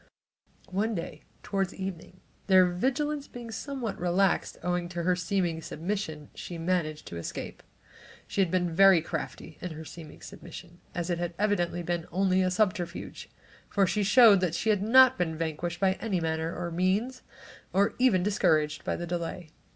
One day toward evening, their vigilance being somewhat relaxed, owing to her seeming submission, she managed to escape. She had been very crafty in her "seeming submission" as it had evidently been only a subterfuge, for she showed she had not been vanquished by any manner of means, or even discouraged by the delay.